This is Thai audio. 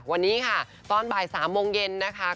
วันนี้ค่ะตอนบ่าย๓โมงเย็นนะคะ